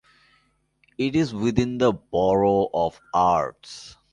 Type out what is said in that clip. It is within the Borough of Ards.